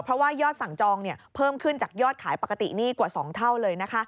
เพราะว่ายอดสั่งจองเพิ่มขึ้นจากยอดขายปกติหนี้กว่า๒เท่าเลยนะคะ